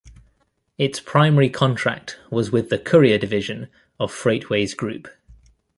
Its primary contract was with the courier division of Freightways Group.